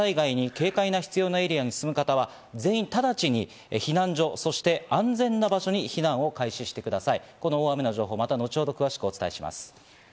浸水が想定されたり土砂災害に警戒が必要なエリアに住む方は全員ただちに避難所、そして安全な場所に避難を開始してください。